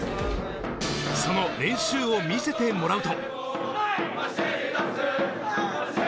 その練習を見せてもらうと。